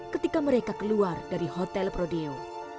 ketika mereka keluar dari hotel prodeo